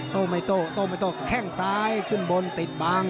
โต้ไม่โต้โต้ไม่โต้แข้งซ้ายขึ้นบนติดบัง